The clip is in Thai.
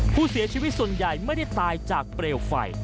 ผู้เสียชีวิตส่วนใหญ่ไม่ได้ตายจากเปลวไฟ